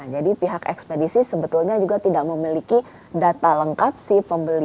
jadi pihak ekspedisi sebetulnya juga tidak memiliki data lengkap si pembeli